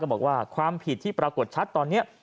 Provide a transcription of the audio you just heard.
บอกว่าความผิดที่ปรากฏชัดตอนนี้